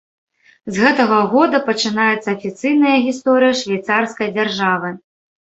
З гэтага года пачынаецца афіцыйная гісторыя швейцарскай дзяржавы.